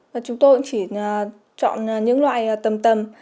và chúng tôi cũng chỉ chọn những loại tầm tầm